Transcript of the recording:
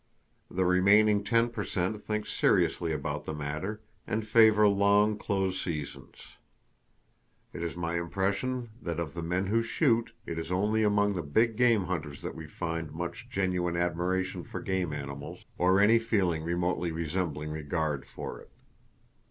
The remaining ten per cent think seriously about the matter, and favor long close seasons. It is my impression that of the men who shoot, it is only among the big game hunters that we find [Page 204] much genuine admiration for game animals, or any feeling remotely resembling regard for it.